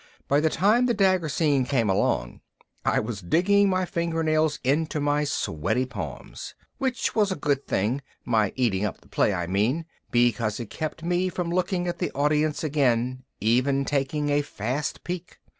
By the time the Dagger Scene came along I was digging my fingernails into my sweaty palms. Which was a good thing my eating up the play, I mean because it kept me from looking at the audience again, even taking a fast peek.